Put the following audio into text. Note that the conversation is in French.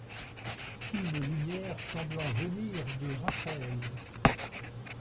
Une lumière semblant venir de Raphaëlle.